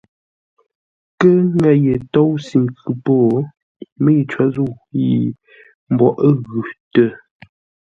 Kə́ ŋə̂ yé tóusʉ nkʉ po, mə́i có zə̂u yi mboʼ ə́ ghʉ tə.